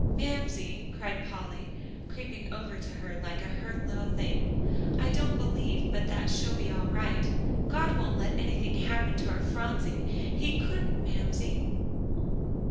"Mamsie," cried Polly, creeping over to her like a hurt little thing, "I don't believe but that she'll be all right. God won't let anything happen to our Phronsie. He couldn't, Mamsie."